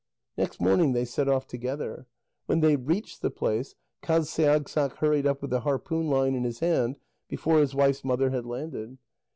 Next morning they set off together. When they reached the place, Qasiagssaq hurried up with the harpoon line in his hand, before his wife's mother had landed.